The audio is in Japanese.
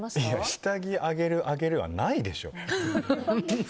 下着あげるあげるはないでしょ！